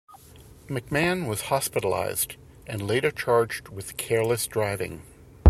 McMann was hospitalized, and later charged with careless driving.